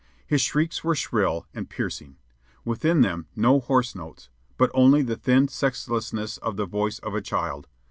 His shrieks were shrill and piercing; within them no hoarse notes, but only the thin sexlessness of the voice of a child.